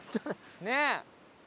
ねえ！